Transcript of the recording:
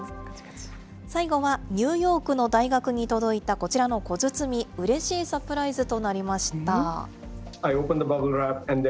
最後はニューヨークの大学に届いたこちらの小包、うれしいサプライズとなりました。